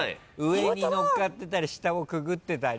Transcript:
上に乗っかってたり下をくぐってたり。